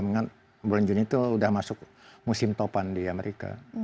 memang bulan juni itu sudah masuk musim topan di amerika